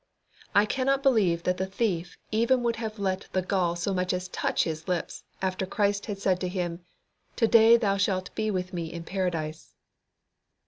I cannot believe that the thief even would have let the gall so much as touch his lips after Christ had said to him, "To day thou shalt be with Me in Paradise!"